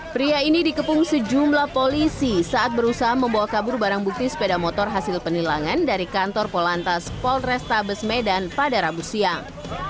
pria ini dikepung sejumlah polisi saat berusaha membawa kabur barang bukti sepeda motor hasil penilangan dari kantor polantas polrestabes medan pada rabu siang